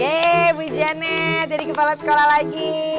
yeay bu janet jadi kapal sekolah lagi